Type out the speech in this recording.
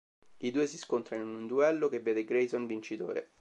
I due si scontrano in un duello che vede Grayson vincitore.